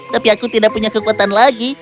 tapi aku tidak punya kekuatan lagi